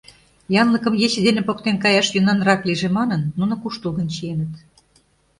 Янлыкым ече дене поктен каяш йӧнанрак лийже манын, нуно куштылгын чиеныт.